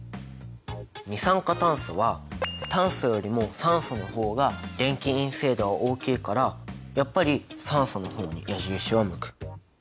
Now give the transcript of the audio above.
二酸化炭素は炭素よりも酸素の方が電気陰性度が大きいからやっぱり酸素の方に矢印は向く。